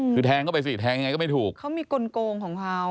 ไปสิแทงยังไงก็ไม่ถูกเขามีกลโกงของเขา